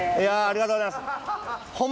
ありがとうございます。